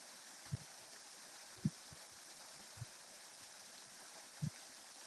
Half of New York City's exports were related to cotton before the war.